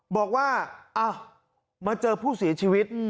บอกว่ามาเจอผู้เสียชีวิต